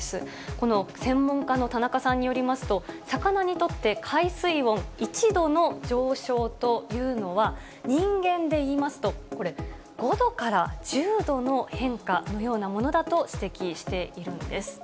この専門家の田中さんによりますと、魚にとって、海水温１度の上昇というのは、人間でいいますと、これ、５度から１０度の変化のようなものだと指摘しているんです。